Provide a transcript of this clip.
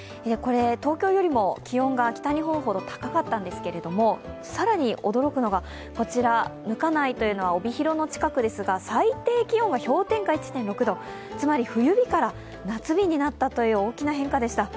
東京よりも気温が北日本ほど高かったんですけれども更に驚くのが糠内、帯広の近くですが最低気温が氷点下１．６度、つまり冬日から夏日になったという大きな変化でした。